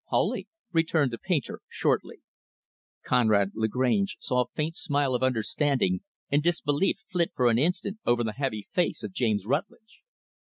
"Wholly," returned the painter, shortly. Conrad Lagrange saw a faint smile of understanding and disbelief flit for an instant over the heavy face of James Rutlidge.